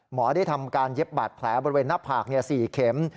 หมอได้ทำการเย็บบาดแผลบริเวณหน้าผาก๔เข็ม